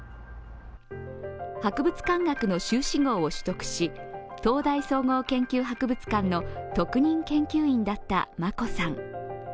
博物館学の修士号を取得し東大総合研究博物館の特任研究員だった眞子さん。